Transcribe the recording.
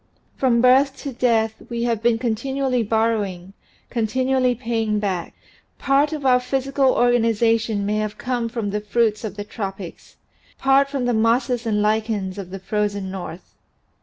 From birth to death we have been contin ually borrowing, continually paying back. Part of our physical organization may have come from the fruits of the tropics, part from the mosses and lichens of the frozen north.